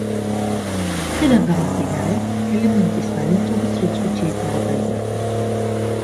აქედან გამომდინარე, ელემენტის ვალენტობის რიცხვიც შეიძლება გაიზარდოს.